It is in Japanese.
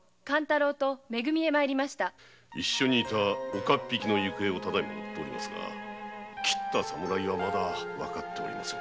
岡っ引きの行方を今追っておりますが斬った侍はまだ分かっておりません。